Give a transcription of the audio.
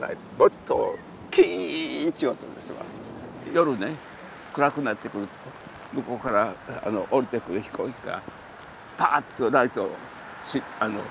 夜ね暗くなってくると向こうから降りてくる飛行機がパーッとライトつく。